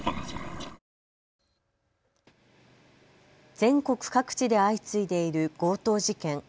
全国各地で相次いでいる強盗事件。